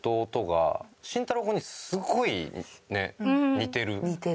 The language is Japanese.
似てる。